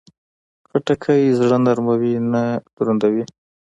خټکی زړه نرموي، نه دروندوي.